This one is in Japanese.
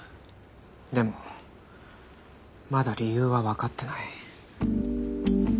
でもまだ理由はわかってない。